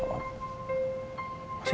masih tidur kali ya